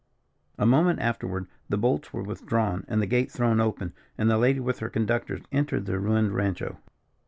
A moment afterward, the bolts were withdrawn and the gate thrown open, and the lady, with her conductors, entered the ruined rancho.